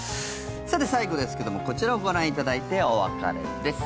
さて、最後ですけれどもこちらをご覧いただいてお別れです。